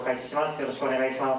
よろしくお願いします。